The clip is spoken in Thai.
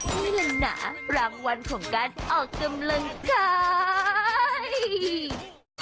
นี่แหละนะรางวัลของการออกกำลังกาย